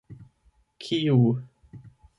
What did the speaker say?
kiu